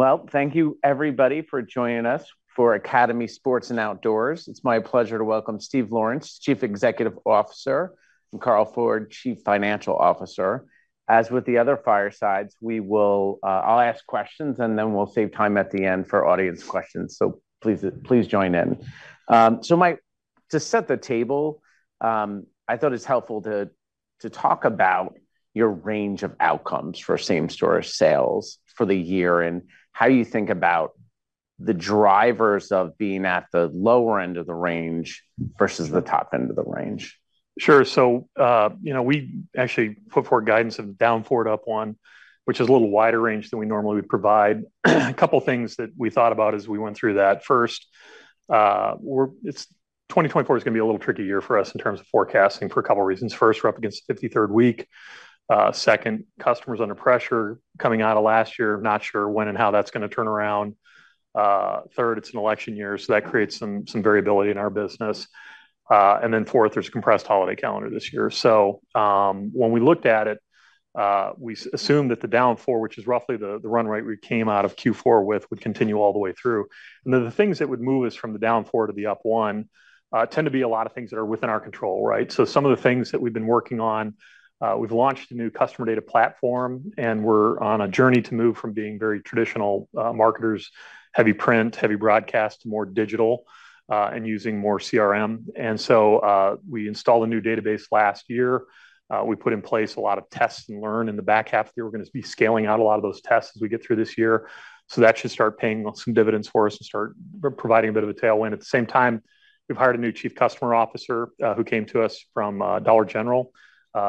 Well, thank you, everybody, for joining us for Academy Sports + Outdoors. It's my pleasure to welcome Steve Lawrence, Chief Executive Officer, and Carl Ford, Chief Financial Officer. As with the other Firesides, I'll ask questions, and then we'll save time at the end for audience questions, so please join in. So to set the table, I thought it's helpful to talk about your range of outcomes for same-store sales for the year and how you think about the drivers of being at the lower end of the range versus the top end of the range. Sure. So we actually put forward guidance of down 4 up 1, which is a little wider range than we normally would provide. A couple of things that we thought about as we went through that. First, it's 2024 is going to be a little tricky year for us in terms of forecasting for a couple of reasons. First, we're up against the 53rd week. Second, customers under pressure coming out of last year. Not sure when and how that's going to turn around. Third, it's an election year, so that creates some variability in our business. And then fourth, there's a compressed holiday calendar this year. So when we looked at it, we assumed that the down 4, which is roughly the run rate we came out of Q4 with, would continue all the way through. Then the things that would move us from the down 4 to the up one tend to be a lot of things that are within our control, right? So some of the things that we've been working on, we've launched a new customer data platform, and we're on a journey to move from being very traditional marketers, heavy print, heavy broadcast, to more digital and using more CRM. So we installed a new database last year. We put in place a lot of tests and learn. In the back half of the year, we're going to be scaling out a lot of those tests as we get through this year. So that should start paying some dividends for us and start providing a bit of a tailwind. At the same time, we've hired a new Chief Customer Officer who came to us from Dollar General.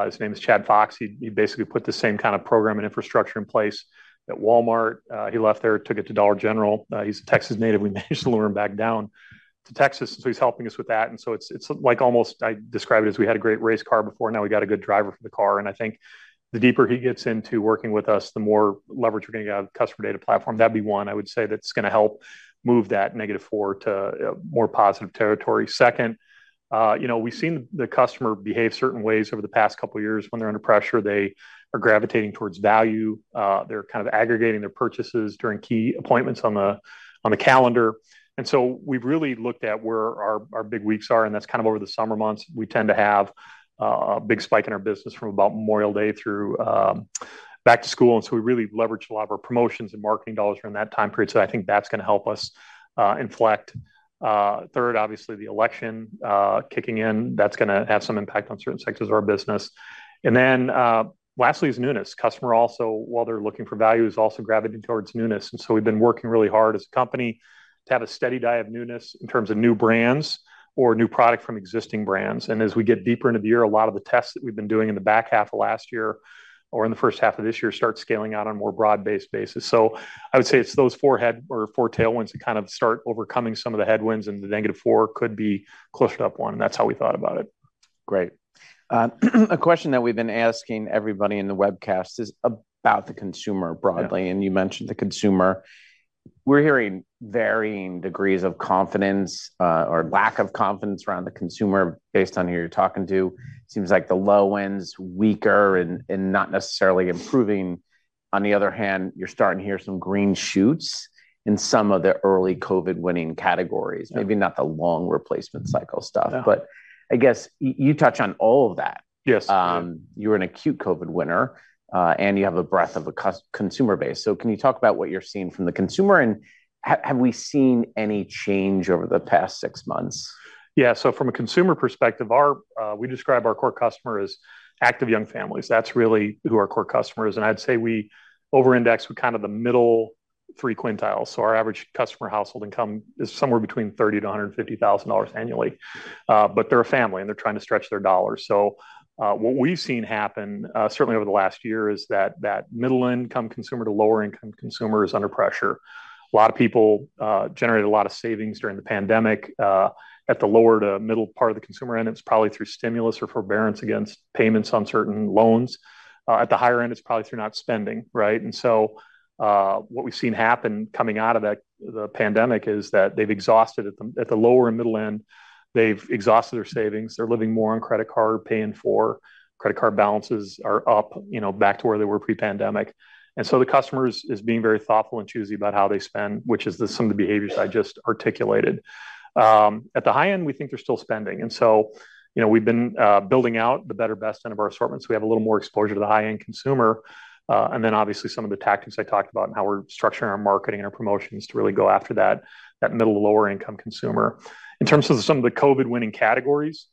His name is Chad Fox. He basically put the same kind of program and infrastructure in place at Walmart. He left there, took it to Dollar General. He's a Texas native. We managed to lure him back down to Texas, so he's helping us with that. And so it's like almost I describe it as we had a great race car before. Now we got a good driver for the car. And I think the deeper he gets into working with us, the more leverage we're going to get out of the customer data platform. That'd be one, I would say, that's going to help move that -4 to more positive territory. Second, we've seen the customer behave certain ways over the past couple of years. When they're under pressure, they are gravitating towards value. They're kind of aggregating their purchases during key appointments on the calendar. So we've really looked at where our big weeks are, and that's kind of over the summer months. We tend to have a big spike in our business from about Memorial Day through back to school. And so we really leveraged a lot of our promotions and marketing dollars during that time period. So I think that's going to help us inflect. Third, obviously, the election kicking in. That's going to have some impact on certain sectors of our business. And then lastly is newness. Customers also, while they're looking for value, is also gravitating towards newness. And so we've been working really hard as a company to have a steady diet of newness in terms of new brands or new product from existing brands. As we get deeper into the year, a lot of the tests that we've been doing in the back half of last year or in the H1 of this year start scaling out on a more broad-based basis. I would say it's those four headwinds or four tailwinds that kind of start overcoming some of the headwinds, and the negative four could be closer to up one. That's how we thought about it. Great. A question that we've been asking everybody in the webcast is about the consumer broadly, and you mentioned the consumer. We're hearing varying degrees of confidence or lack of confidence around the consumer based on who you're talking to. It seems like the low end's weaker and not necessarily improving. On the other hand, you're starting to hear some green shoots in some of the early COVID-winning categories, maybe not the long replacement cycle stuff. But I guess you touch on all of that. You were an acute COVID winner, and you have a breadth of a consumer base. So can you talk about what you're seeing from the consumer, and have we seen any change over the past six months? Yeah. So from a consumer perspective, we describe our core customer as active young families. That's really who our core customer is. And I'd say we over-index with kind of the middle three quintile. So our average customer household income is somewhere between $30,000-$150,000 annually. But they're a family, and they're trying to stretch their dollars. So what we've seen happen, certainly over the last year, is that middle-income consumer to lower-income consumer is under pressure. A lot of people generated a lot of savings during the pandemic at the lower to middle part of the consumer end. It was probably through stimulus or forbearance against payments on certain loans. At the higher end, it's probably through not spending, right? And so what we've seen happen coming out of the pandemic is that they've exhausted at the lower and middle end. They've exhausted their savings. They're living more on credit card, paying for credit card balances are up back to where they were pre-pandemic. So the customer is being very thoughtful and choosy about how they spend, which is some of the behaviors I just articulated. At the high end, we think they're still spending. So we've been building out the better best end of our assortments. We have a little more exposure to the high-end consumer. Then obviously, some of the tactics I talked about and how we're structuring our marketing and our promotions to really go after that middle to lower-income consumer. In terms of some of the COVID-winning categories,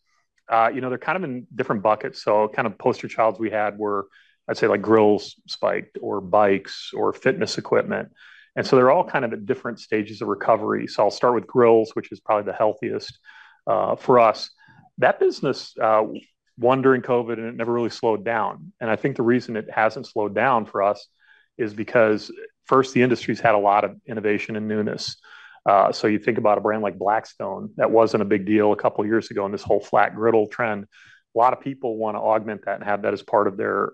they're kind of in different buckets. So kind of poster children we had were, I'd say, grills spiked or bikes or fitness equipment. So they're all kind of at different stages of recovery. So I'll start with grills, which is probably the healthiest for us. That business won during COVID, and it never really slowed down. And I think the reason it hasn't slowed down for us is because, first, the industry's had a lot of innovation in newness. So you think about a brand like Blackstone, that wasn't a big deal a couple of years ago, and this whole flat griddle trend. A lot of people want to augment that and have that as part of their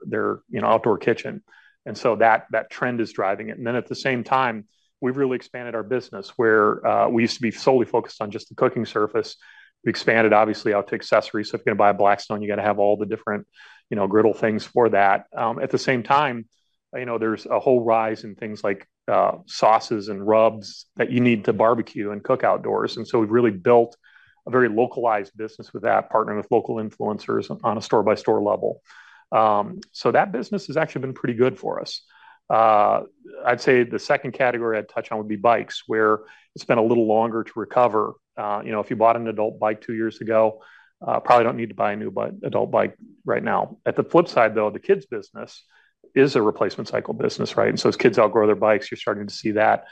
outdoor kitchen. And so that trend is driving it. And then at the same time, we've really expanded our business where we used to be solely focused on just the cooking surface. We expanded, obviously, out to accessories. So if you're going to buy a Blackstone, you got to have all the different griddle things for that. At the same time, there's a whole rise in things like sauces and rubs that you need to barbecue and cook outdoors. We've really built a very localized business with that, partnering with local influencers on a store-by-store level. So that business has actually been pretty good for us. I'd say the second category I'd touch on would be bikes, where it's been a little longer to recover. If you bought an adult bike two years ago, probably don't need to buy a new adult bike right now. At the flip side, though, the kids' business is a replacement cycle business, right? As kids outgrow their bikes, you're starting to see that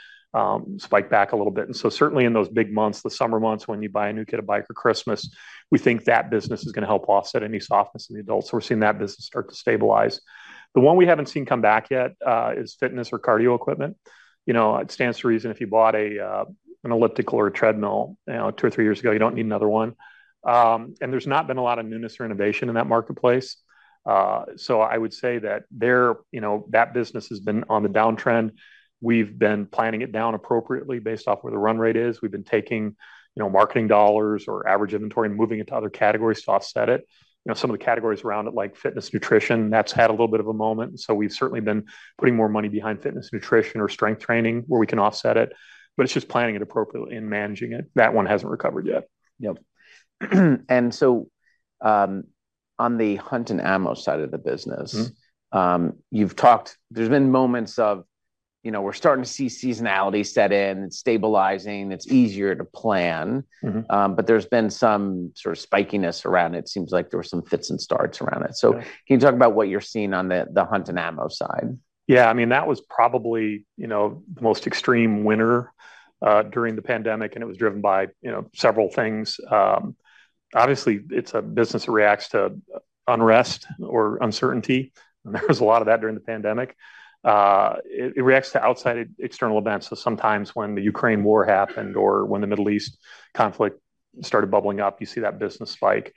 spike back a little bit. Certainly in those big months, the summer months, when you buy a new kid a bike for Christmas, we think that business is going to help offset any softness in the adults. So we're seeing that business start to stabilize. The one we haven't seen come back yet is fitness or cardio equipment. It stands to reason. If you bought an elliptical or a treadmill 2 or 3 years ago, you don't need another one. And there's not been a lot of newness or innovation in that marketplace. So I would say that that business has been on the downtrend. We've been planning it down appropriately based off where the run rate is. We've been taking marketing dollars or average inventory and moving it to other categories to offset it. Some of the categories around it, like fitness nutrition, that's had a little bit of a moment. And so we've certainly been putting more money behind fitness nutrition or strength training where we can offset it. But it's just planning it appropriately and managing it. That one hasn't recovered yet. Yep. And so on the hunt and ammo side of the business, there's been moments of we're starting to see seasonality set in. It's stabilizing. It's easier to plan. But there's been some sort of spikiness around it. It seems like there were some fits and starts around it. So can you talk about what you're seeing on the hunt and ammo side? Yeah. I mean, that was probably the most extreme winner during the pandemic, and it was driven by several things. Obviously, it's a business that reacts to unrest or uncertainty. There was a lot of that during the pandemic. It reacts to outside external events. So sometimes when the Ukraine war happened or when the Middle East conflict started bubbling up, you see that business spike.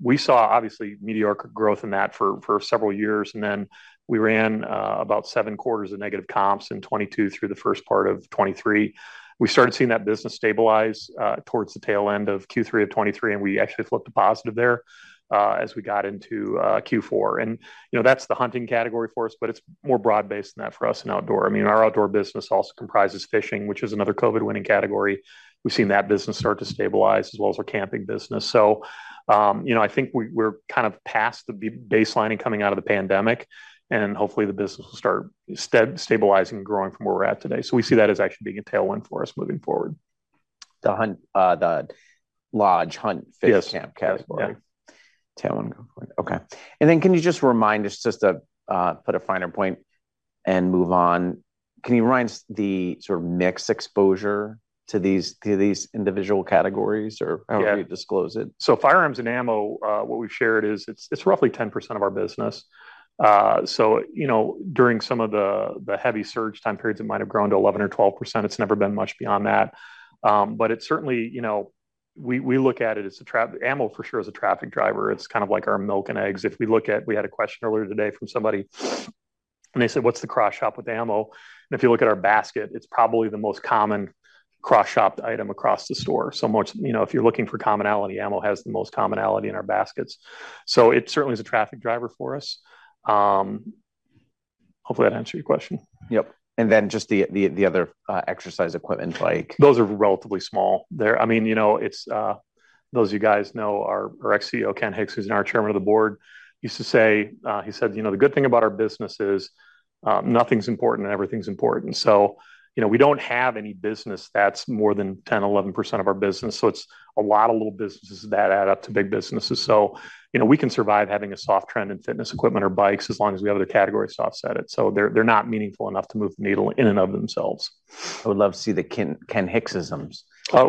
We saw, obviously, meteoric growth in that for several years. Then we ran about seven quarters of negative comps in 2022 through the first part of 2023. We started seeing that business stabilize towards the tail end of Q3 of 2023, and we actually flipped a positive there as we got into Q4. That's the hunting category for us, but it's more broad-based than that for us in outdoor. I mean, our outdoor business also comprises fishing, which is another COVID-winning category. We've seen that business start to stabilize as well as our camping business. So I think we're kind of past the baseline coming out of the pandemic, and hopefully, the business will start stabilizing and growing from where we're at today. So we see that as actually being a tailwind for us moving forward. The lodge, hunt, fish, camp category. Yes. Tailwind going forward. Okay. And then can you just remind us, just to put a finer point and move on, can you remind us the sort of mixed exposure to these individual categories, or however you disclose it? Yeah. So firearms and ammo, what we've shared is it's roughly 10% of our business. So during some of the heavy surge time periods, it might have grown to 11%-12%. It's never been much beyond that. But it's certainly we look at it as the ammo, for sure, is a traffic driver. It's kind of like our milk and eggs. If we look at we had a question earlier today from somebody, and they said, "What's the cross-shop with ammo?" And if you look at our basket, it's probably the most common cross-shopped item across the store. So if you're looking for commonality, ammo has the most commonality in our baskets. So it certainly is a traffic driver for us. Hopefully, that answered your question. Yep. And then just the other exercise equipment, like. Those are relatively small there. I mean, those of you guys know, our ex-CEO, Ken Hicks, who's now chairman of the board, used to say he said, "The good thing about our business is nothing's important and everything's important." So we don't have any business that's more than 10%-11% of our business. So it's a lot of little businesses that add up to big businesses. So we can survive having a soft trend in fitness equipment or bikes as long as we have other categories to offset it. So they're not meaningful enough to move the needle in and of themselves. I would love to see the Ken Hicksisms.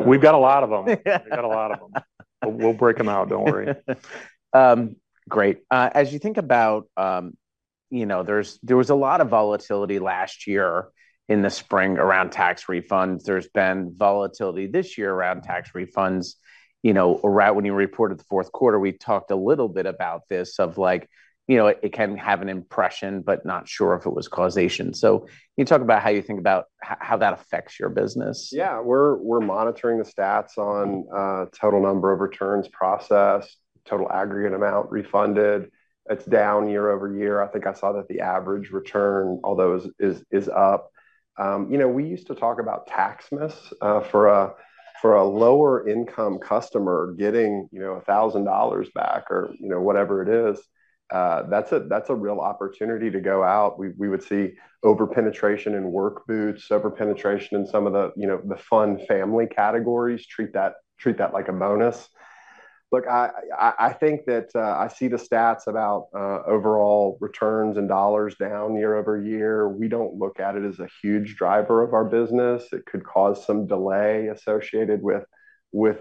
We've got a lot of them. We've got a lot of them. We'll break them out. Don't worry. Great. As you think about, there was a lot of volatility last year in the spring around tax refunds. There's been volatility this year around tax refunds. When you reported the Q4, we talked a little bit about this of it can have an impression but not sure if it was causation. So can you talk about how you think about how that affects your business? Yeah. We're monitoring the stats on total number of returns processed, total aggregate amount refunded. It's down year-over-year. I think I saw that the average return, although, is up. We used to talk about Taxmas. For a lower-income customer getting $1,000 back or whatever it is, that's a real opportunity to go out. We would see over-penetration in work boots, over-penetration in some of the fun family categories. Treat that like a bonus. Look, I think that I see the stats about overall returns and dollars down year-over-year. We don't look at it as a huge driver of our business. It could cause some delay associated with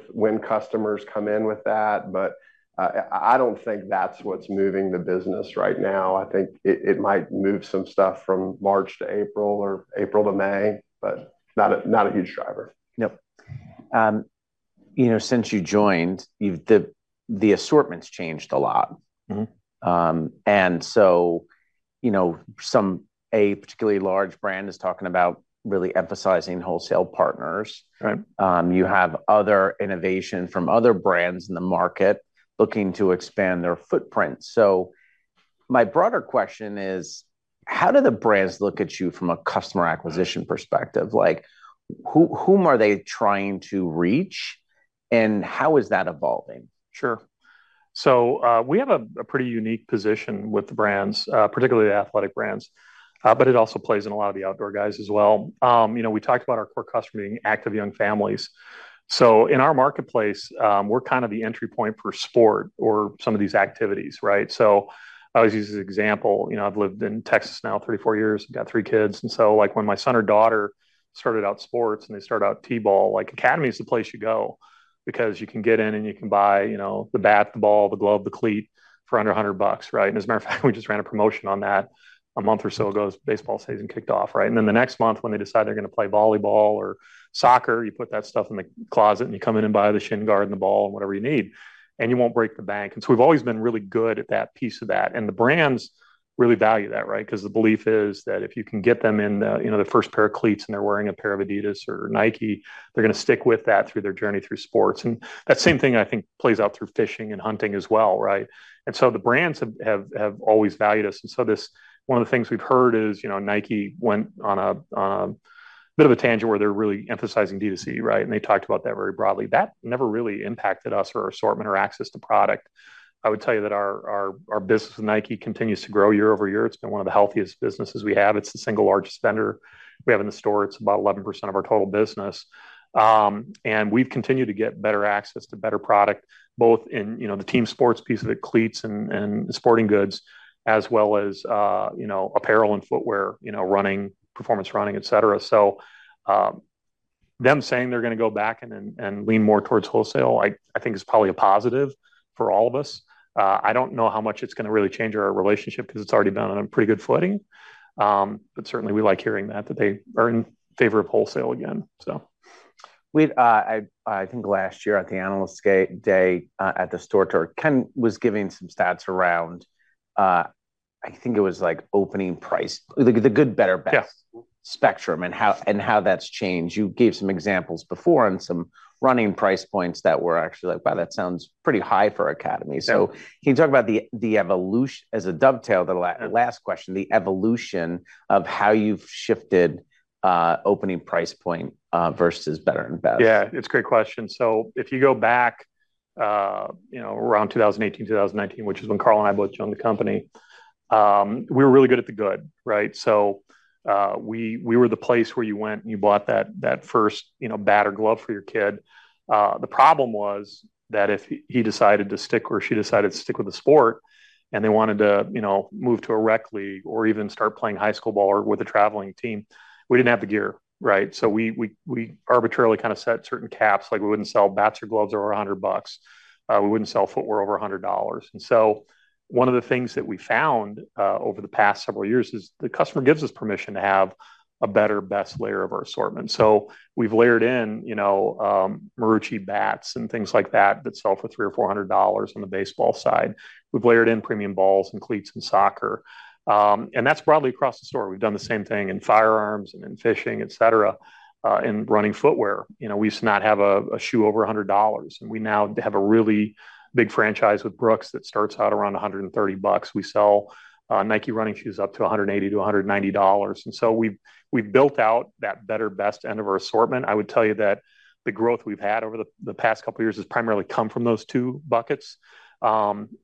when customers come in with that. But I don't think that's what's moving the business right now. I think it might move some stuff from March to April or April to May, but not a huge driver. Yep. Since you joined, the assortments changed a lot. And so a particularly large brand is talking about really emphasizing wholesale partners. You have other innovation from other brands in the market looking to expand their footprint. So my broader question is, how do the brands look at you from a customer acquisition perspective? Whom are they trying to reach, and how is that evolving? Sure. So we have a pretty unique position with the brands, particularly the athletic brands. But it also plays in a lot of the outdoor guys as well. We talked about our core customer being active young families. So in our marketplace, we're kind of the entry point for sport or some of these activities, right? So I always use this example. I've lived in Texas now 34 years. I've got 3 kids. And so when my son or daughter started out sports and they started out tee ball, Academy is the place you go because you can get in, and you can buy the bat, the ball, the glove, the cleat for under $100, right? And as a matter of fact, we just ran a promotion on that a month or so ago. Baseball season kicked off, right? And then the next month, when they decide they're going to play volleyball or soccer, you put that stuff in the closet, and you come in and buy the shin guard and the ball and whatever you need. And you won't break the bank. And so we've always been really good at that piece of that. And the brands really value that, right? Because the belief is that if you can get them in the first pair of cleats and they're wearing a pair of Adidas or Nike, they're going to stick with that through their journey through sports. And that same thing, I think, plays out through fishing and hunting as well, right? And so the brands have always valued us. And so one of the things we've heard is Nike went on a bit of a tangent where they're really emphasizing D2C, right? And they talked about that very broadly. That never really impacted us or our assortment or access to product. I would tell you that our business with Nike continues to grow year-over-year. It's been one of the healthiest businesses we have. It's the single largest vendor we have in the store. It's about 11% of our total business. And we've continued to get better access to better product, both in the team sports piece of it, cleats and sporting goods, as well as apparel and footwear, performance running, etc. So them saying they're going to go back and lean more towards wholesale, I think, is probably a positive for all of us. I don't know how much it's going to really change our relationship because it's already been on a pretty good footing. But certainly, we like hearing that, that they are in favor of wholesale again, so. I think last year at the Analyst Day at the store tour, Ken was giving some stats around I think it was opening price, the good better best spectrum and how that's changed. You gave some examples before on some running price points that were actually like, "Wow, that sounds pretty high for Academy." So can you talk about the evolution as a dovetail to the last question, the evolution of how you've shifted opening price point versus better and better? Yeah. It's a great question. So if you go back around 2018, 2019, which is when Carl and I both joined the company, we were really good at the good, right? So we were the place where you went, and you bought that first bat or glove for your kid. The problem was that if he decided to stick or she decided to stick with the sport and they wanted to move to a rec league or even start playing high school ball or with a traveling team, we didn't have the gear, right? So one of the things that we found over the past several years is the customer gives us permission to have a better, best layer of our assortment. So we've layered in Marucci bats and things like that that sell for $300-$400 on the baseball side. We've layered in premium balls and cleats and soccer. And that's broadly across the store. We've done the same thing in firearms and in fishing, etc., in running footwear. We used to not have a shoe over $100. And we now have a really big franchise with Brooks that starts out around $130. We sell Nike running shoes up to $180-$190. And so we've built out that better, best end of our assortment. I would tell you that the growth we've had over the past couple of years has primarily come from those two buckets.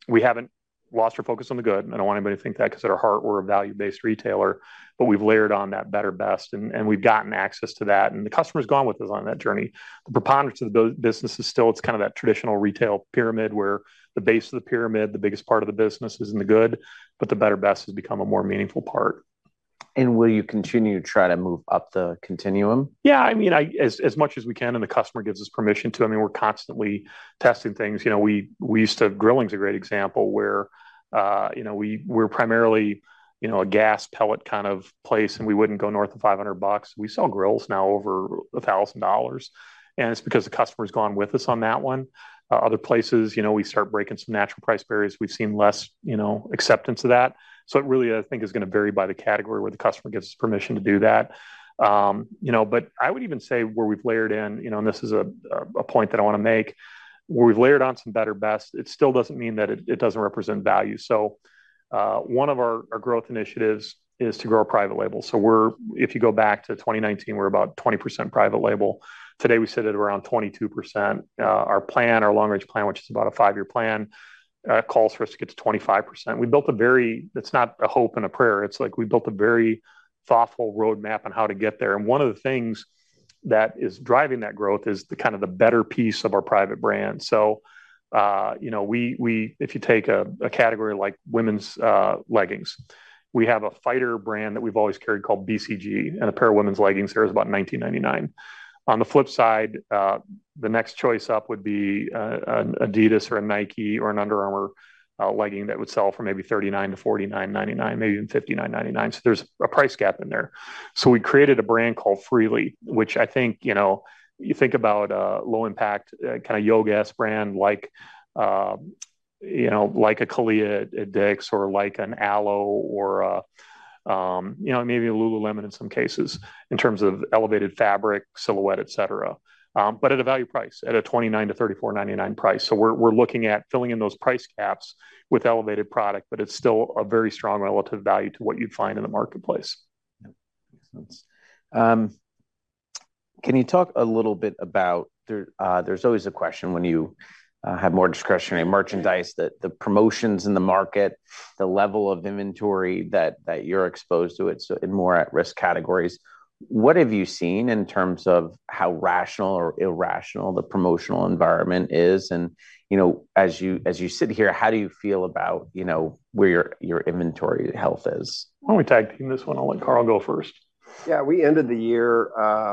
We haven't lost our focus on the good. And I don't want anybody to think that because at our heart, we're a value-based retailer. But we've layered on that better, best, and we've gotten access to that. And the customer's gone with us on that journey. The preponderance of the business is still, it's kind of that traditional retail pyramid where the base of the pyramid, the biggest part of the business, is in the good. But the better, best has become a more meaningful part. Will you continue to try to move up the continuum? Yeah. I mean, as much as we can and the customer gives us permission to. I mean, we're constantly testing things. We used to grilling is a great example where we're primarily a gas pellet kind of place, and we wouldn't go north of $500. We sell grills now over $1,000. And it's because the customer's gone with us on that one. Other places, we start breaking some natural price barriers. We've seen less acceptance of that. So it really, I think, is going to vary by the category where the customer gives us permission to do that. But I would even say where we've layered in and this is a point that I want to make where we've layered on some better, best, it still doesn't mean that it doesn't represent value. So one of our growth initiatives is to grow our private label. So if you go back to 2019, we were about 20% private label. Today, we sit at around 22%. Our plan, our long-range plan, which is about a 5-year plan, calls for us to get to 25%. We built a very it's not a hope and a prayer. It's like we built a very thoughtful roadmap on how to get there. And one of the things that is driving that growth is kind of the better piece of our private brand. So if you take a category like women's leggings, we have a fighter brand that we've always carried called BCG and a pair of women's leggings there is about $19.99. On the flip side, the next choice up would be an Adidas or a Nike or an Under Armour legging that would sell for maybe $39-$49.99, maybe even $59.99. There's a price gap in there. We created a brand called Freely, which I think you think about a low-impact kind of yoga-esque brand like a CALIA at Dick's or like an Alo or maybe a Lululemon in some cases in terms of elevated fabric, silhouette, etc., but at a value price, at a $29-$34.99 price. We're looking at filling in those price gaps with elevated product, but it's still a very strong relative value to what you'd find in the marketplace. Yeah. Makes sense. Can you talk a little bit about there's always a question when you have more discretionary merchandise, the promotions in the market, the level of inventory that you're exposed to it, so in more at-risk categories? What have you seen in terms of how rational or irrational the promotional environment is? And as you sit here, how do you feel about where your inventory health is? Why don't we tag team this one? I'll let Carl go first. Yeah. We ended the year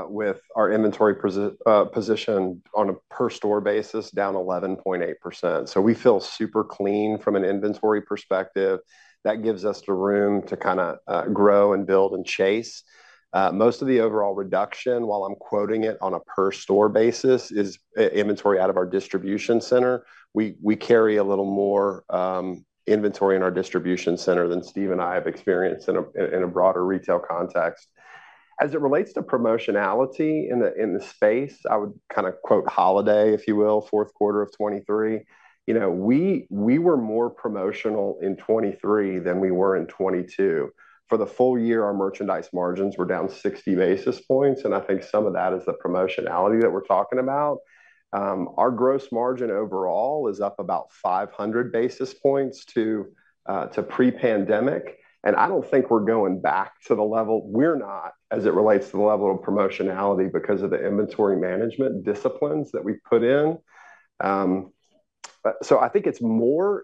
with our inventory position on a per-store basis down 11.8%. So we feel super clean from an inventory perspective. That gives us the room to kind of grow and build and chase. Most of the overall reduction, while I'm quoting it on a per-store basis, is inventory out of our distribution center. We carry a little more inventory in our distribution center than Steve and I have experienced in a broader retail context. As it relates to promotionality in the space, I would kind of quote holiday, if you will, Q4 of 2023. We were more promotional in 2023 than we were in 2022. For the full year, our merchandise margins were down 60 basis points. And I think some of that is the promotionality that we're talking about. Our gross margin overall is up about 500 basis points to pre-pandemic. I don't think we're going back to the level we're not as it relates to the level of promotionality because of the inventory management disciplines that we put in. So I think it's more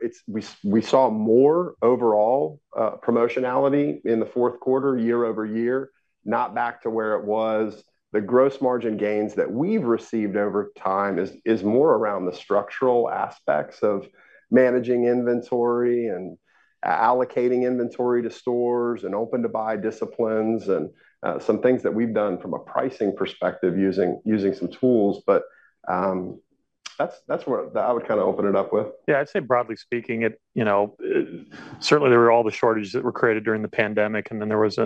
we saw more overall promotionality in the fourth quarter year-over-year, not back to where it was. The gross margin gains that we've received over time is more around the structural aspects of managing inventory and allocating inventory to stores and Open-to-Buy disciplines and some things that we've done from a pricing perspective using some tools. But that's what I would kind of open it up with. Yeah. I'd say, broadly speaking, certainly, there were all the shortages that were created during the pandemic. Then there was,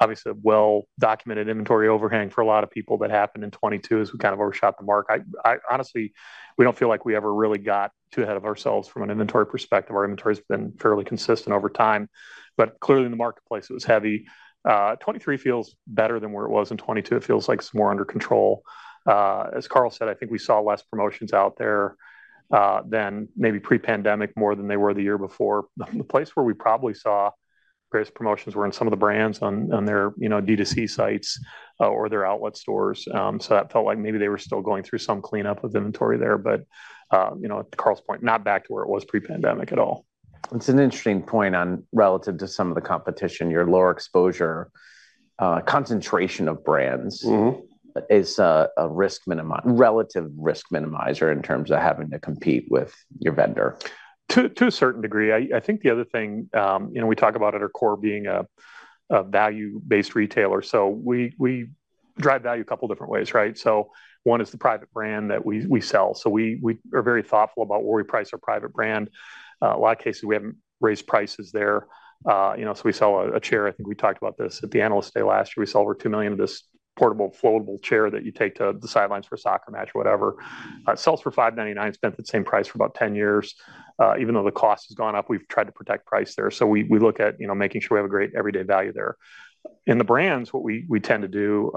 obviously, a well-documented inventory overhang for a lot of people that happened in 2022 as we kind of overshot the mark. Honestly, we don't feel like we ever really got too ahead of ourselves from an inventory perspective. Our inventory has been fairly consistent over time. But clearly, in the marketplace, it was heavy. 2023 feels better than where it was in 2022. It feels like it's more under control. As Carl said, I think we saw less promotions out there than maybe pre-pandemic, more than they were the year before. The place where we probably saw greatest promotions were in some of the brands on their D2C sites or their outlet stores. So that felt like maybe they were still going through some cleanup of inventory there. But at Carl's point, not back to where it was pre-pandemic at all. It's an interesting point relative to some of the competition. Your lower exposure, concentration of brands is a relative risk minimizer in terms of having to compete with your vendor. To a certain degree. I think the other thing we talk about at our core being a value-based retailer. So we drive value a couple of different ways, right? So one is the private brand that we sell. So we are very thoughtful about where we price our private brand. A lot of cases, we haven't raised prices there. So we sell a chair. I think we talked about this at the Analyst Day last year. We sell over 2 million of this portable, floatable chair that you take to the sidelines for a soccer match or whatever. It sells for $5.99, spent that same price for about 10 years. Even though the cost has gone up, we've tried to protect price there. So we look at making sure we have a great everyday value there. In the brands, what we tend to do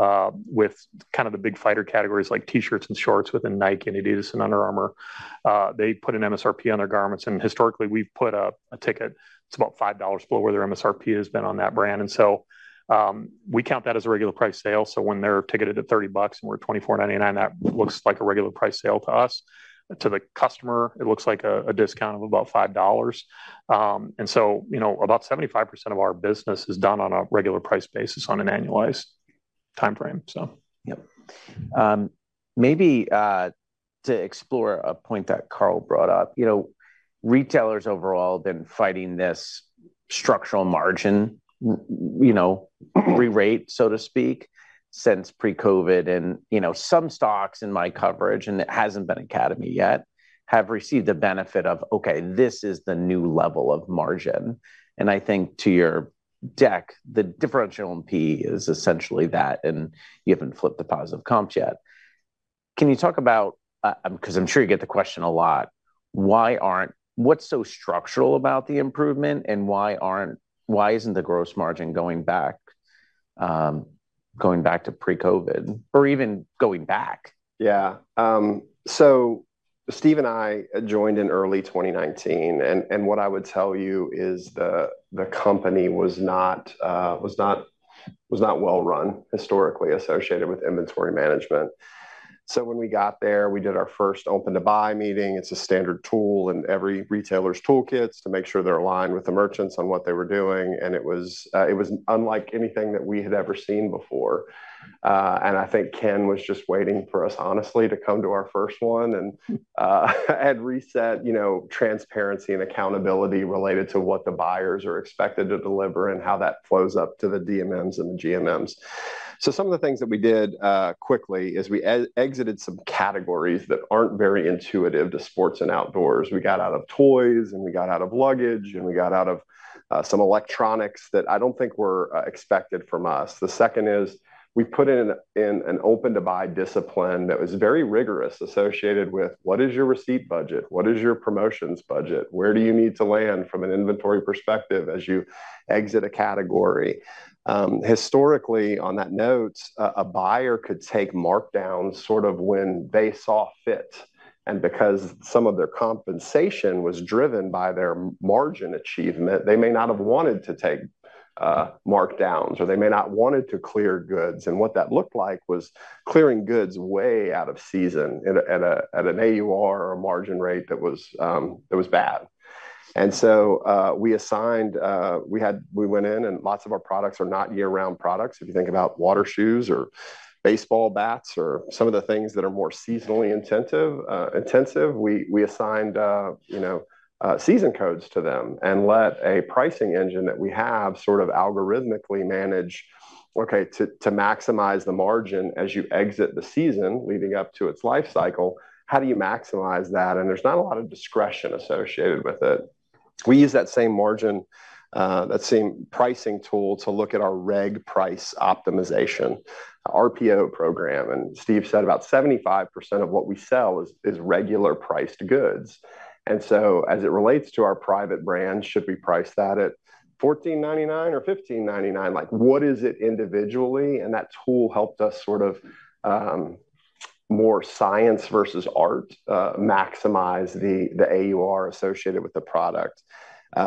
with kind of the big fighter categories like T-shirts and shorts within Nike and Adidas and Under Armour, they put an MSRP on their garments. Historically, we've put a ticket. It's about $5 below where their MSRP has been on that brand. So we count that as a regular price sale. So when they're ticketed at $30 and we're at $24.99, that looks like a regular price sale to us. To the customer, it looks like a discount of about $5. So about 75% of our business is done on a regular price basis on an annualized time frame, so. Yep. Maybe to explore a point that Carl brought up, retailers overall have been fighting this structural margin rerate, so to speak, since pre-COVID. Some stocks in my coverage, and it hasn't been Academy yet, have received the benefit of, "Okay, this is the new level of margin." I think to your deck, the differential NP is essentially that. You haven't flipped the positive comps yet. Can you talk about because I'm sure you get the question a lot, what's so structural about the improvement? Why isn't the gross margin going back to pre-COVID or even going back? Yeah. So Steve and I joined in early 2019. What I would tell you is the company was not well-run historically associated with inventory management. So when we got there, we did our first open-to-buy meeting. It's a standard tool in every retailer's toolkits to make sure they're aligned with the merchants on what they were doing. It was unlike anything that we had ever seen before. I think Ken was just waiting for us, honestly, to come to our first one and had reset transparency and accountability related to what the buyers are expected to deliver and how that flows up to the DMMs and the GMMs. So some of the things that we did quickly is we exited some categories that aren't very intuitive to sports and outdoors. We got out of toys, and we got out of luggage, and we got out of some electronics that I don't think were expected from us. The second is we put in an Open-to-Buy discipline that was very rigorous associated with, "What is your receipt budget? What is your promotions budget? Where do you need to land from an inventory perspective as you exit a category?" Historically, on that note, a buyer could take markdowns sort of when they saw fit. And because some of their compensation was driven by their margin achievement, they may not have wanted to take markdowns, or they may not wanted to clear goods. And what that looked like was clearing goods way out of season at an AUR or a margin rate that was bad. And so we went in, and lots of our products are not year-round products. If you think about water shoes or baseball bats or some of the things that are more seasonally intensive, we assigned season codes to them and let a pricing engine that we have sort of algorithmically manage, "Okay, to maximize the margin as you exit the season leading up to its life cycle, how do you maximize that?" There's not a lot of discretion associated with it. We use that same pricing tool to look at our reg price optimization, RPO program. Steve said about 75% of what we sell is regular priced goods. So as it relates to our private brand, should we price that at $14.99 or $15.99? What is it individually? That tool helped us sort of more science versus art maximize the AUR associated with the product.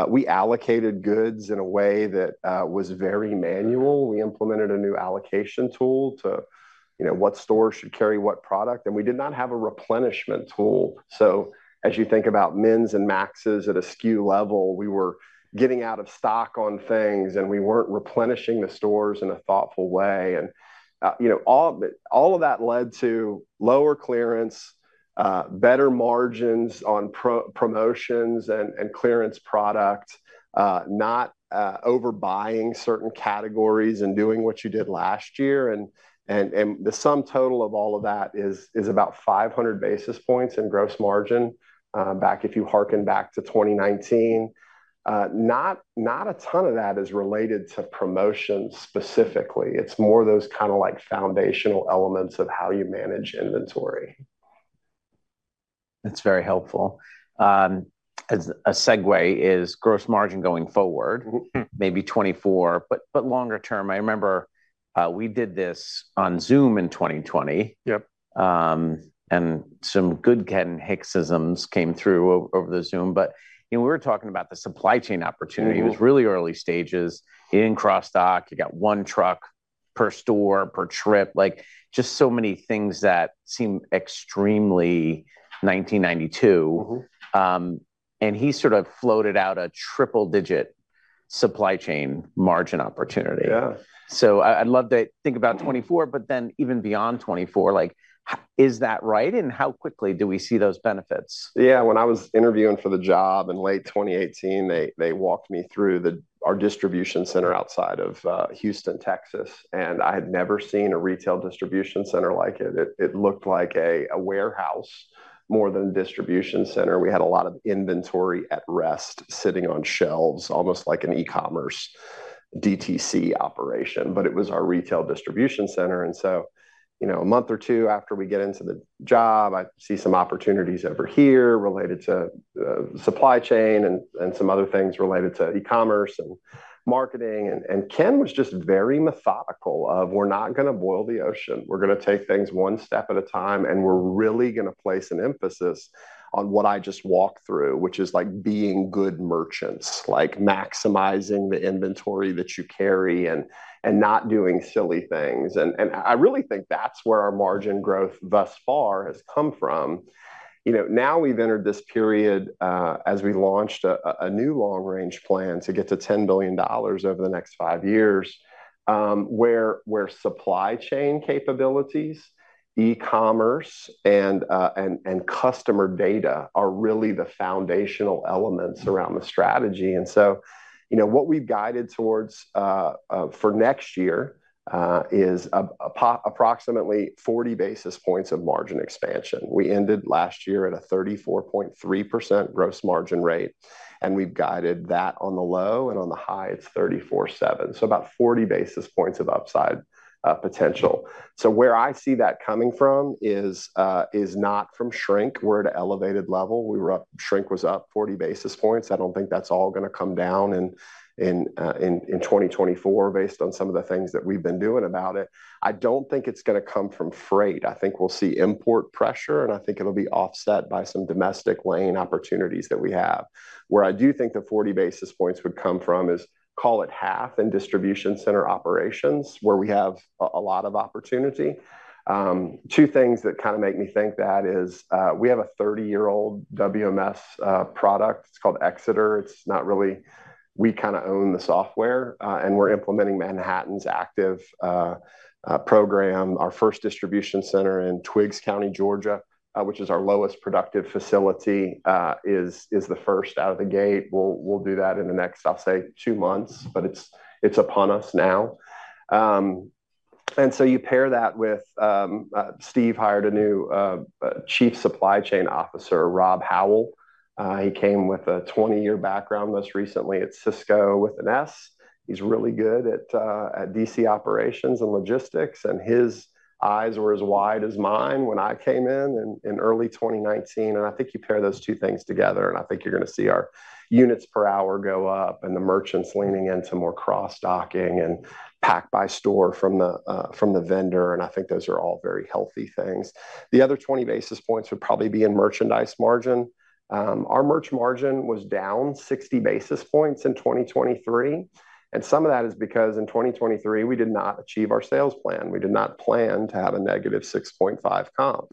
We allocated goods in a way that was very manual. We implemented a new allocation tool to what store should carry what product. We did not have a replenishment tool. So as you think about mins and maxes at a SKU level, we were getting out of stock on things, and we weren't replenishing the stores in a thoughtful way. All of that led to lower clearance, better margins on promotions and clearance product, not overbuying certain categories and doing what you did last year. The sum total of all of that is about 500 basis points in gross margin back if you hearken back to 2019. Not a ton of that is related to promotions specifically. It's more those kind of foundational elements of how you manage inventory. That's very helpful. As a segue, is gross margin going forward, maybe 2024, but longer term? I remember we did this on Zoom in 2020. And some good Ken Hicksisms came through over the Zoom. But we were talking about the supply chain opportunity. It was really early stages. In cross-dock, you got one truck per store, per trip, just so many things that seem extremely 1992. And he sort of floated out a triple-digit supply chain margin opportunity. So I'd love to think about 2024, but then even beyond 2024, is that right? And how quickly do we see those benefits? Yeah. When I was interviewing for the job in late 2018, they walked me through our distribution center outside of Houston, Texas. I had never seen a retail distribution center like it. It looked like a warehouse more than a distribution center. We had a lot of inventory at rest sitting on shelves, almost like an e-commerce DTC operation. But it was our retail distribution center. So a month or two after we get into the job, I see some opportunities over here related to supply chain and some other things related to e-commerce and marketing. Ken was just very methodical of, "We're not going to boil the ocean. We're going to take things one step at a time. And we're really going to place an emphasis on what I just walked through, which is being good merchants, maximizing the inventory that you carry, and not doing silly things." I really think that's where our margin growth thus far has come from. Now we've entered this period as we launched a new long-range plan to get to $10 billion over the next five years where supply chain capabilities, e-commerce, and customer data are really the foundational elements around the strategy. So what we've guided towards for next year is approximately 40 basis points of margin expansion. We ended last year at a 34.3% gross margin rate. We've guided that on the low. On the high, it's 34.7%. So about 40 basis points of upside potential. So where I see that coming from is not from shrink. We're at an elevated level. Shrink was up 40 basis points. I don't think that's all going to come down in 2024 based on some of the things that we've been doing about it. I don't think it's going to come from freight. I think we'll see import pressure. And I think it'll be offset by some domestic lane opportunities that we have. Where I do think the 40 basis points would come from is, call it half, in distribution center operations where we have a lot of opportunity. Two things that kind of make me think that is we have a 30-year-old WMS product. It's called Exeter. We kind of own the software. And we're implementing Manhattan's Active program. Our first distribution center in Twiggs County, Georgia, which is our lowest productive facility, is the first out of the gate. We'll do that in the next, I'll say, two months. But it's upon us now. So you pair that with Steve hired a new chief supply chain officer, Rob Howell. He came with a 20-year background most recently at Sysco. He's really good at DC operations and logistics. And his eyes were as wide as mine when I came in in early 2019. And I think you pair those two things together. And I think you're going to see our units per hour go up and the merchants leaning into more cross-docking and pack-by-store from the vendor. And I think those are all very healthy things. The other 20 basis points would probably be in merchandise margin. Our merch margin was down 60 basis points in 2023. And some of that is because in 2023, we did not achieve our sales plan. We did not plan to have a negative 6.5 comp.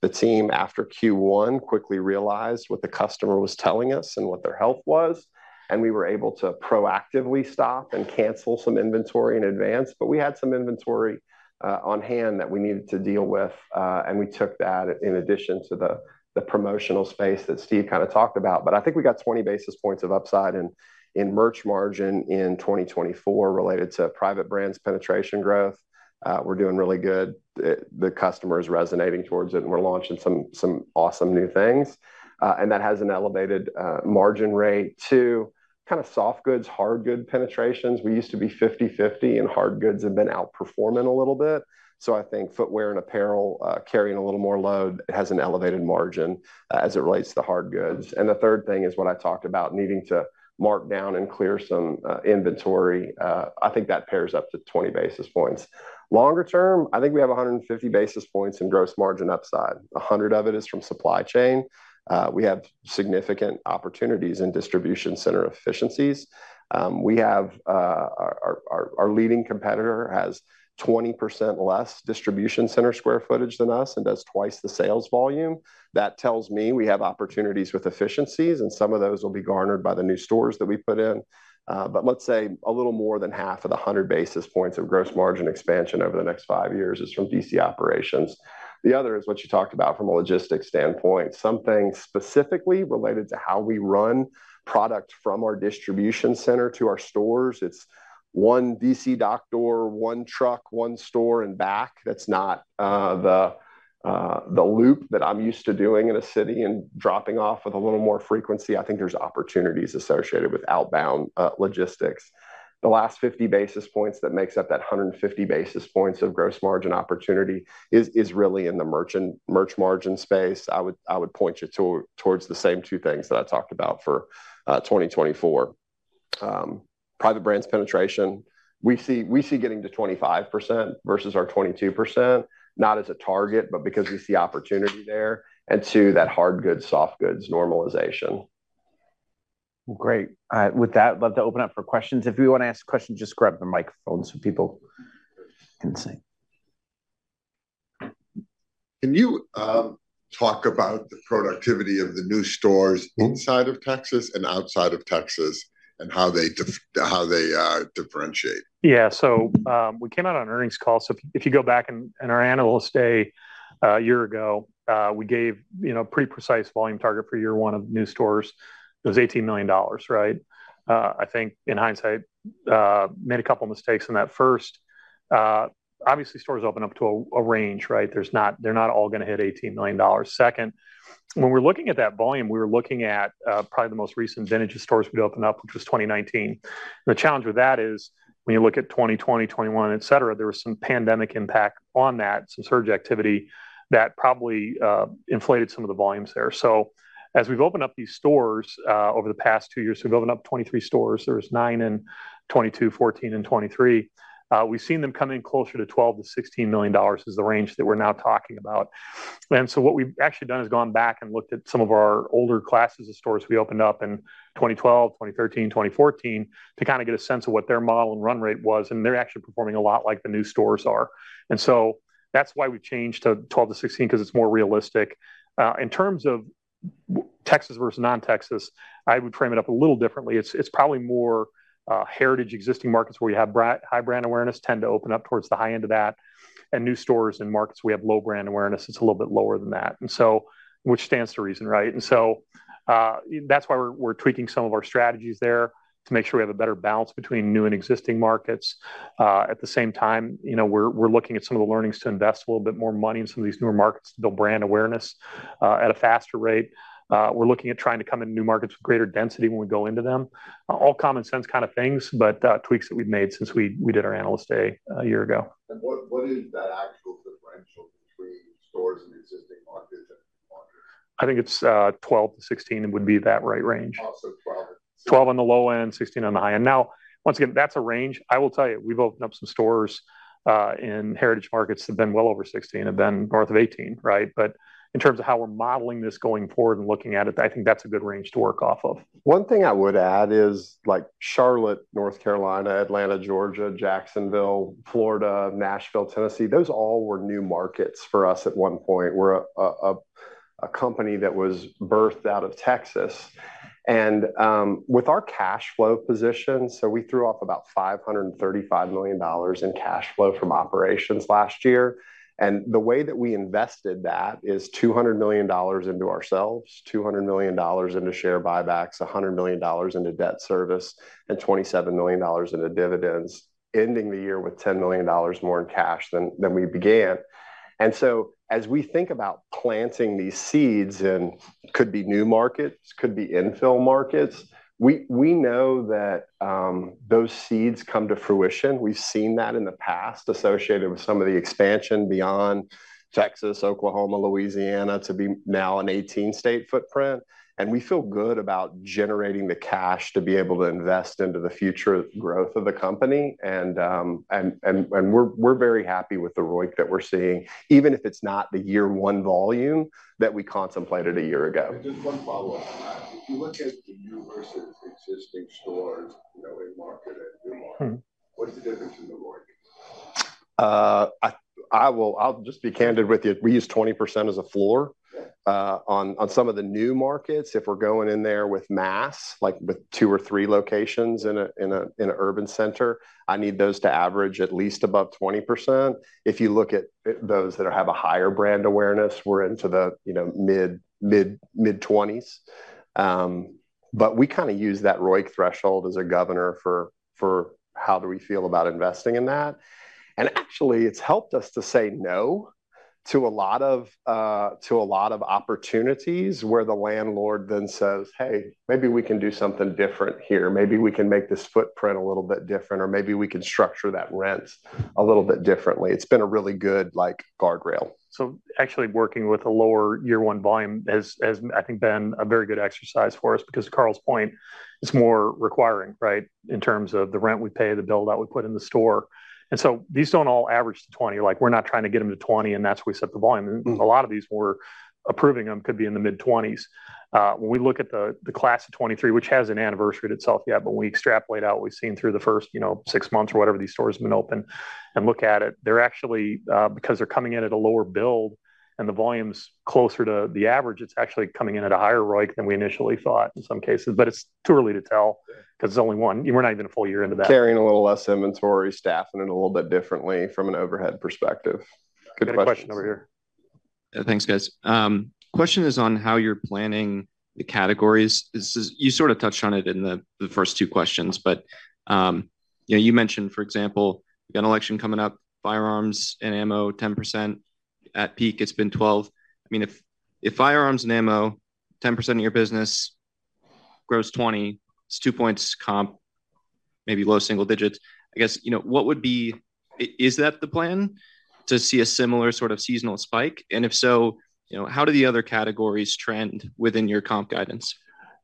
The team, after Q1, quickly realized what the customer was telling us and what their health was. We were able to proactively stop and cancel some inventory in advance. We had some inventory on hand that we needed to deal with. We took that in addition to the promotional space that Steve kind of talked about. I think we got 20 basis points of upside in merch margin in 2024 related to private brands penetration growth. We're doing really good. The customer is resonating towards it. We're launching some awesome new things. That has an elevated margin rate to kind of soft goods, hard goods penetrations. We used to be 50/50. Hard goods have been outperforming a little bit. I think footwear and apparel carrying a little more load, it has an elevated margin as it relates to the hard goods. The third thing is what I talked about, needing to mark down and clear some inventory. I think that pairs up to 20 basis points. Longer term, I think we have 150 basis points in gross margin upside. 100 of it is from supply chain. We have significant opportunities in distribution center efficiencies. Our leading competitor has 20% less distribution center square footage than us and does twice the sales volume. That tells me we have opportunities with efficiencies. Some of those will be garnered by the new stores that we put in. Let's say a little more than half of the 100 basis points of gross margin expansion over the next five years is from DC operations. The other is what you talked about from a logistics standpoint, something specifically related to how we run product from our distribution center to our stores. It's one DC dock door, one truck, one store, and back. That's not the loop that I'm used to doing in a city and dropping off with a little more frequency. I think there's opportunities associated with outbound logistics. The last 50 basis points that makes up that 150 basis points of gross margin opportunity is really in the merch margin space. I would point you towards the same two things that I talked about for 2024. Private brands penetration, we see getting to 25% versus our 22%, not as a target, but because we see opportunity there. And two, that hard goods, soft goods normalization. Great. With that, I'd love to open up for questions. If we want to ask questions, just grab the microphone so people can hear. Can you talk about the productivity of the new stores inside of Texas and outside of Texas and how they differentiate? Yeah. So we came out on earnings call. So if you go back in our analyst day a year ago, we gave a pretty precise volume target for year one of new stores. It was $18 million, right? I think, in hindsight, made a couple of mistakes in that. First, obviously, stores open up to a range, right? They're not all going to hit $18 million. Second, when we're looking at that volume, we were looking at probably the most recent vintages stores we'd open up, which was 2019. And the challenge with that is when you look at 2020, 2021, etc., there was some pandemic impact on that, some surge activity that probably inflated some of the volumes there. So as we've opened up these stores over the past two years, we've opened up 23 stores. There was 9 in 2022, 14, and 2023. We've seen them coming closer to $12-$16 million is the range that we're now talking about. And so what we've actually done is gone back and looked at some of our older classes of stores we opened up in 2012, 2013, 2014 to kind of get a sense of what their model and run rate was. And they're actually performing a lot like the new stores are. And so that's why we've changed to $12-$16 because it's more realistic. In terms of Texas versus non-Texas, I would frame it up a little differently. It's probably more heritage existing markets where you have high brand awareness tend to open up towards the high end of that. And new stores and markets where we have low brand awareness, it's a little bit lower than that, which stands to reason, right? So that's why we're tweaking some of our strategies there to make sure we have a better balance between new and existing markets. At the same time, we're looking at some of the learnings to invest a little bit more money in some of these newer markets to build brand awareness at a faster rate. We're looking at trying to come into new markets with greater density when we go into them, all common sense kind of things, but tweaks that we've made since we did our Analyst Day a year ago. What is that actual differential between stores and existing markets? I think it's $12-$16 would be that right range. Oh, so $12. $12 on the low end, $16 on the high end. Now, once again, that's a range. I will tell you, we've opened up some stores in heritage markets that have been well over $16, have been north of $18, right? But in terms of how we're modeling this going forward and looking at it, I think that's a good range to work off of. One thing I would add is Charlotte, North Carolina, Atlanta, Georgia, Jacksonville, Florida, Nashville, Tennessee. Those all were new markets for us at one point. We're a company that was birthed out of Texas. And with our cash flow position, so we threw off about $535 million in cash flow from operations last year. And the way that we invested that is $200 million into ourselves, $200 million into share buybacks, $100 million into debt service, and $27 million into dividends, ending the year with $10 million more in cash than we began. And so as we think about planting these seeds in could be new markets, could be infill markets, we know that those seeds come to fruition. We've seen that in the past associated with some of the expansion beyond Texas, Oklahoma, Louisiana to be now an 18-state footprint. We feel good about generating the cash to be able to invest into the future growth of the company. We're very happy with the ROIC that we're seeing, even if it's not the year one volume that we contemplated a year ago. Just one follow-up on that. If you look at the new versus existing stores in market and new market, what's the difference in the ROIC? I'll just be candid with you. We use 20% as a floor on some of the new markets. If we're going in there with mass, like with two or three locations in an urban center, I need those to average at least above 20%. If you look at those that have a higher brand awareness, we're into the mid-20s. We kind of use that ROIC threshold as a governor for how do we feel about investing in that. Actually, it's helped us to say no to a lot of opportunities where the landlord then says, "Hey, maybe we can do something different here. Maybe we can make this footprint a little bit different. Or maybe we can structure that rent a little bit differently." It's been a really good guardrail. Actually, working with a lower year one volume has, I think, been a very good exercise for us because, to Carl's point, it's more requiring, right, in terms of the rent we pay, the bill that we put in the store. These don't all average to 20. We're not trying to get them to 20. That's where we set the volume. A lot of these we're approving them could be in the mid-20s. When we look at the class of 2023, which has an anniversary itself yet, but when we extrapolate out what we've seen through the first six months or whatever these stores have been open and look at it, because they're coming in at a lower build and the volume's closer to the average, it's actually coming in at a higher ROIC than we initially thought in some cases. It's too early to tell because it's only one. We're not even a full year into that. Carrying a little less inventory, staffing it a little bit differently from an overhead perspective. Good question. Good question over here. Yeah. Thanks, guys. Question is on how you're planning the categories. You sort of touched on it in the first two questions. But you mentioned, for example, we've got an election coming up, firearms and ammo, 10%. At peak, it's been 12%. I mean, if firearms and ammo, 10% of your business, grows 20%, it's two points comp, maybe low single digits, I guess. What would be is that the plan to see a similar sort of seasonal spike? And if so, how do the other categories trend within your comp guidance?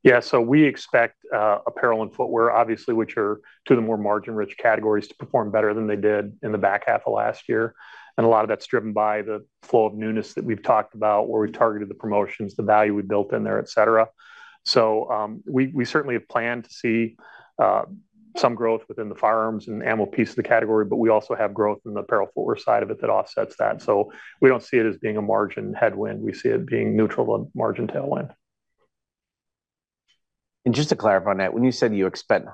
Yeah. So we expect apparel and footwear, obviously, which are two of the more margin-rich categories, to perform better than they did in the back half of last year. And a lot of that's driven by the flow of newness that we've talked about where we've targeted the promotions, the value we built in there, etc. So we certainly have planned to see some growth within the firearms and ammo piece of the category. But we also have growth in the apparel/footwear side of it that offsets that. So we don't see it as being a margin headwind. We see it being neutral to a margin tailwind. Just to clarify on that, when you said you expect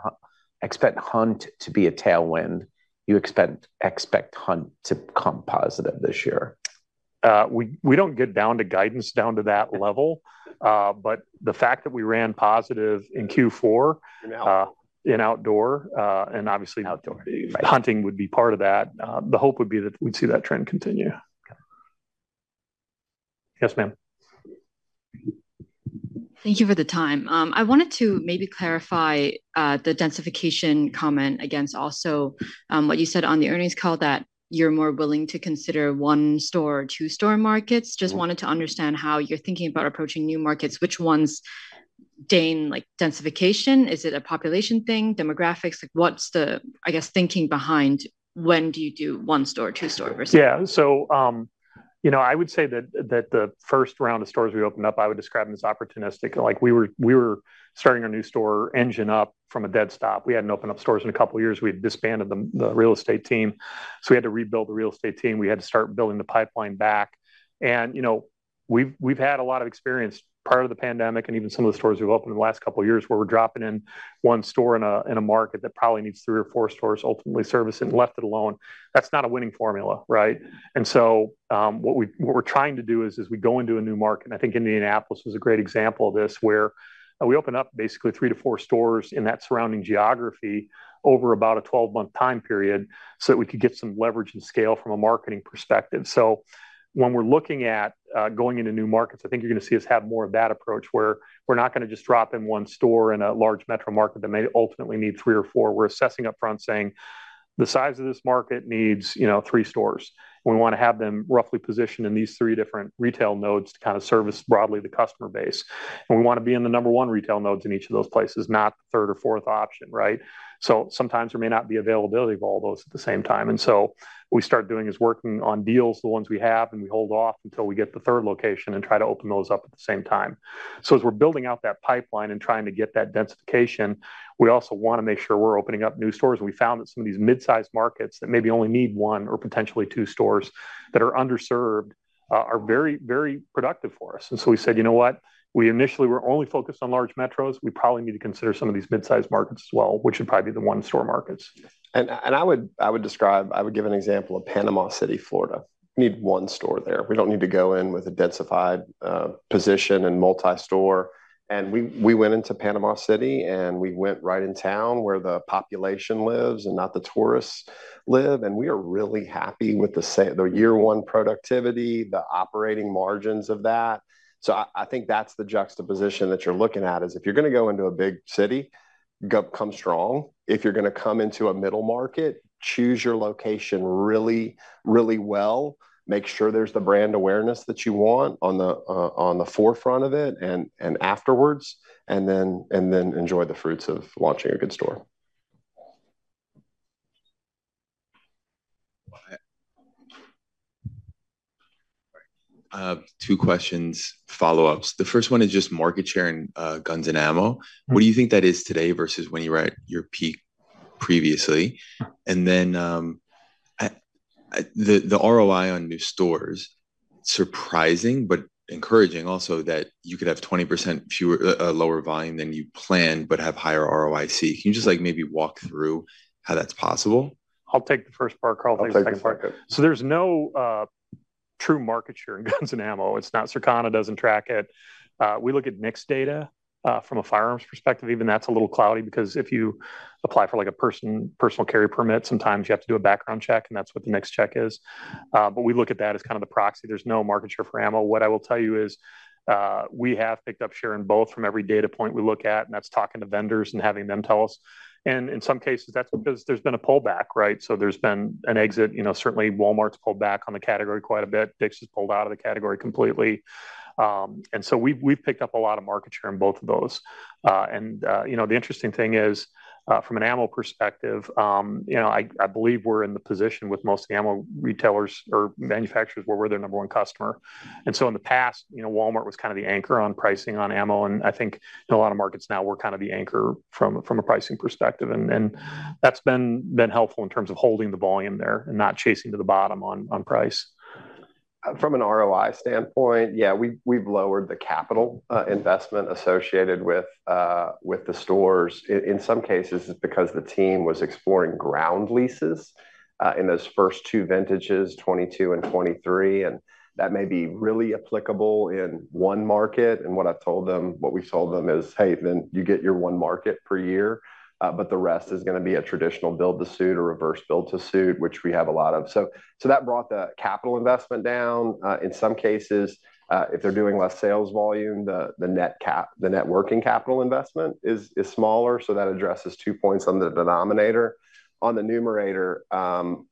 Hunt to be a tailwind, you expect Hunt to come positive this year? We don't get down to guidance down to that level. But the fact that we ran positive in Q4 in outdoor and obviously. Outdoor. Hunting would be part of that. The hope would be that we'd see that trend continue. Yes, ma'am. Thank you for the time. I wanted to maybe clarify the densification comment against also what you said on the earnings call that you're more willing to consider one-store or two-store markets. Just wanted to understand how you're thinking about approaching new markets, which ones? Then, densification, is it a population thing, demographics? What's the, I guess, thinking behind when do you do one-store or two-store versus? Yeah. So I would say that the first round of stores we opened up, I would describe them as opportunistic. We were starting our new store engine up from a dead stop. We hadn't opened up stores in a couple of years. We had disbanded the real estate team. So we had to rebuild the real estate team. We had to start building the pipeline back. And we've had a lot of experience prior to the pandemic and even some of the stores we've opened in the last couple of years where we're dropping in one store in a market that probably needs three or four stores ultimately serviced and left it alone. That's not a winning formula, right? And so what we're trying to do is we go into a new market. I think Indianapolis was a great example of this where we opened up basically 3-4 stores in that surrounding geography over about a 12-month time period so that we could get some leverage and scale from a marketing perspective. When we're looking at going into new markets, I think you're going to see us have more of that approach where we're not going to just drop in one store in a large metro market that may ultimately need 3 or 4. We're assessing upfront, saying, "The size of this market needs 3 stores." We want to have them roughly positioned in these 3 different retail nodes to kind of service broadly the customer base. We want to be in the number one retail nodes in each of those places, not the third or fourth option, right? So sometimes there may not be availability of all those at the same time. And so what we start doing is working on deals, the ones we have, and we hold off until we get the third location and try to open those up at the same time. So as we're building out that pipeline and trying to get that densification, we also want to make sure we're opening up new stores. And we found that some of these midsize markets that maybe only need one or potentially two stores that are underserved are very, very productive for us. And so we said, "You know what? We initially were only focused on large metros. We probably need to consider some of these midsize markets as well, which should probably be the one-store markets. I would describe, I would give an example of Panama City, Florida. We need one store there. We don't need to go in with a densified position and multi-store. We went into Panama City, and we went right in town where the population lives and not the tourists live. We are really happy with the year one productivity, the operating margins of that. So I think that's the juxtaposition that you're looking at is if you're going to go into a big city, come strong. If you're going to come into a middle market, choose your location really, really well. Make sure there's the brand awareness that you want on the forefront of it and afterwards, and then enjoy the fruits of launching a good store. Two questions, follow-ups. The first one is just market share and guns and ammo. What do you think that is today versus when you were at your peak previously? And then the ROI on new stores, surprising but encouraging also that you could have 20% lower volume than you planned but have higher ROIC. Can you just maybe walk through how that's possible? I'll take the first part, Carl. Thanks, second part. So there's no true market share in guns and ammo. It's not Circana doesn't track it. We look at NICS data from a firearms perspective. Even that's a little cloudy because if you apply for a personal carry permit, sometimes you have to do a background check. And that's what the NICS check is. But we look at that as kind of the proxy. There's no market share for ammo. What I will tell you is we have picked up share in both from every data point we look at. And that's talking to vendors and having them tell us. And in some cases, that's because there's been a pullback, right? So there's been an exit. Certainly, Walmart's pulled back on the category quite a bit. Dick's has pulled out of the category completely. So we've picked up a lot of market share in both of those. The interesting thing is, from an ammo perspective, I believe we're in the position with most ammo retailers or manufacturers where we're their number one customer. So in the past, Walmart was kind of the anchor on pricing on ammo. I think in a lot of markets now, we're kind of the anchor from a pricing perspective. That's been helpful in terms of holding the volume there and not chasing to the bottom on price. From an ROI standpoint, yeah, we've lowered the capital investment associated with the stores. In some cases, it's because the team was exploring ground leases in those first two vintages, 2022 and 2023. That may be really applicable in one market. What I've told them, what we've told them is, "Hey, then you get your one market per year. But the rest is going to be a traditional build-to-suit or reverse build-to-suit," which we have a lot of. That brought the capital investment down. In some cases, if they're doing less sales volume, the net working capital investment is smaller. That addresses two points on the denominator. On the numerator,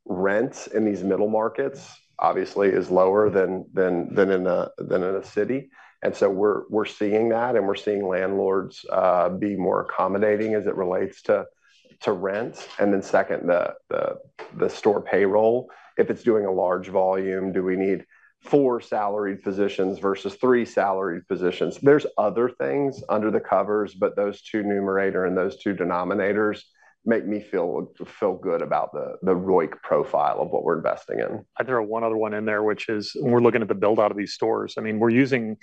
rents in these middle markets, obviously, is lower than in a city. So we're seeing that. We're seeing landlords be more accommodating as it relates to rents. And then second, the store payroll, if it's doing a large volume, do we need four salaried positions versus three salaried positions? There's other things under the covers. But those two numerator and those two denominators make me feel good about the ROIC profile of what we're investing in. I think there are one other one in there, which is when we're looking at the build-out of these stores. I mean, we're using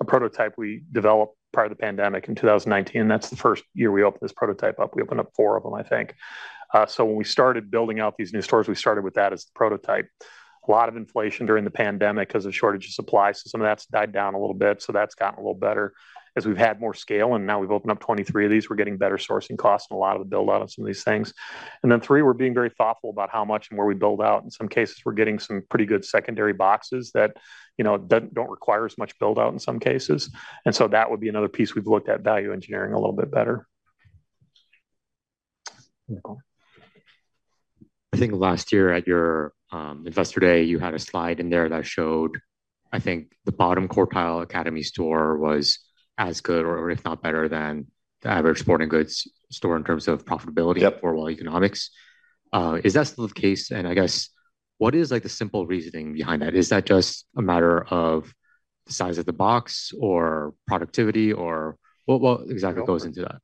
a prototype we developed prior to the pandemic in 2019. And that's the first year we opened this prototype up. We opened up 4 of them, I think. So when we started building out these new stores, we started with that as the prototype. A lot of inflation during the pandemic because of shortage of supply. So some of that's died down a little bit. So that's gotten a little better as we've had more scale. And now we've opened up 23 of these. We're getting better sourcing costs in a lot of the build-out on some of these things. And then three, we're being very thoughtful about how much and where we build out. In some cases, we're getting some pretty good secondary boxes that don't require as much build-out in some cases. And so that would be another piece we've looked at value engineering a little bit better. I think last year at your Investor Day, you had a slide in there that showed, I think, the bottom quartile Academy store was as good or if not better than the average sporting goods store in terms of profitability or well economics. Is that still the case? I guess, what is the simple reasoning behind that? Is that just a matter of the size of the box or productivity? Or what exactly goes into that?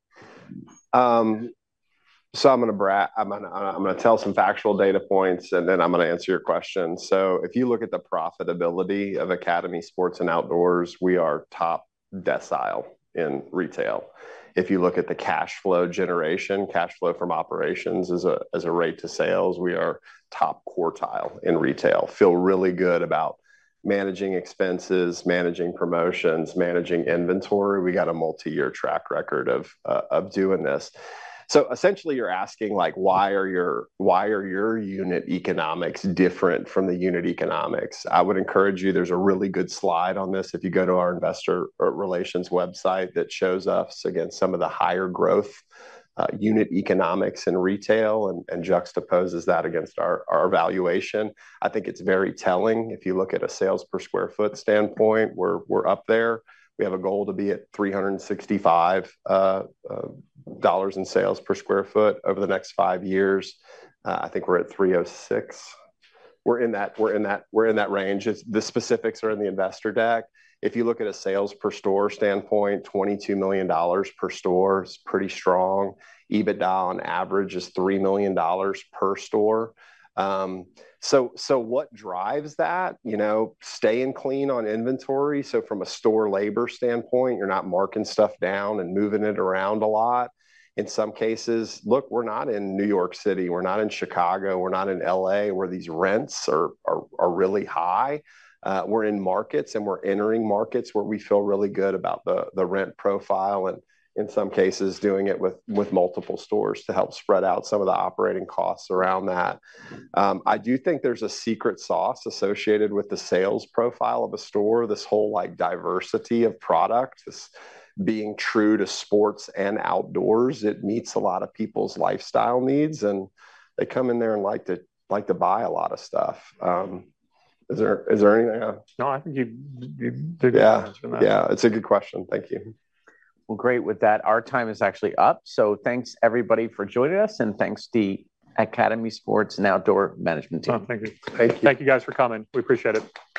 So I'm going to tell some factual data points. Then I'm going to answer your question. So if you look at the profitability of Academy Sports + Outdoors, we are top decile in retail. If you look at the cash flow generation, cash flow from operations as a rate to sales, we are top quartile in retail. Feel really good about managing expenses, managing promotions, managing inventory. We got a multi-year track record of doing this. So essentially, you're asking, why are your unit economics different from the unit economics? I would encourage you. There's a really good slide on this if you go to our investor relations website that shows us against some of the higher growth unit economics in retail and juxtaposes that against our valuation. I think it's very telling. If you look at a sales per sq ft standpoint, we're up there. We have a goal to be at $365 in sales per sq ft over the next five years. I think we're at $306. We're in that range. The specifics are in the investor deck. If you look at a sales per store standpoint, $22 million per store is pretty strong. EBITDA on average is $3 million per store. So what drives that? Staying clean on inventory. So from a store labor standpoint, you're not marking stuff down and moving it around a lot. In some cases, look, we're not in New York City. We're not in Chicago. We're not in L.A. where these rents are really high. We're in markets. And we're entering markets where we feel really good about the rent profile. And in some cases, doing it with multiple stores to help spread out some of the operating costs around that. I do think there's a secret sauce associated with the sales profile of a store, this whole diversity of product. This being true to sports and outdoors, it meets a lot of people's lifestyle needs. And they come in there and like to buy a lot of stuff. Is there anything? No, I think you did a good answer on that. Yeah. It's a good question. Thank you. Well, great with that. Our time is actually up. So thanks, everybody, for joining us. And thanks, the Academy Sports + Outdoors management team. Thank you. Thank you. Thank you guys for coming. We appreciate it.